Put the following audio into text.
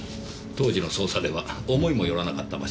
当時の捜査では思いも寄らなかった場所です。